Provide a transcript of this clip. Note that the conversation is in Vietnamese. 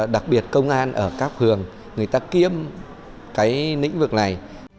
đặc biệt công an ở các phường người ta kiêm cái lĩnh vực này